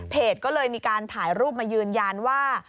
ก็เลยมีการถ่ายรูปมายืนยันว่า